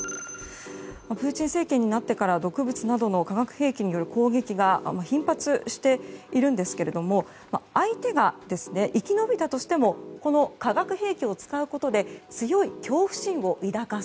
プーチン政権になってから毒物などの化学兵器による攻撃が頻発しているんですけれど相手が生き延びたとしても化学兵器を使うことで